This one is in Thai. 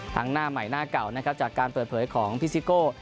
หน้าใหม่หน้าเก่านะครับจากการเปิดเผยของพี่ซิโก้